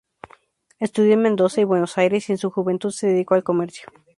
Estudió en Mendoza y Buenos Aires, y en su juventud se dedicó al comercio.